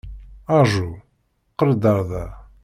Ṛju. Qqel-d ɣer da.